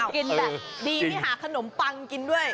กินแบบดีไม่หาขนมปังกินด้วย